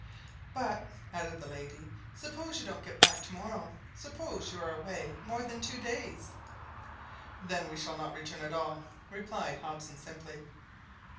"But," added the lady, "suppose you don't get back to morrow, suppose you are away more than two days?" "Then we shall not return at all," replied Hobson simply.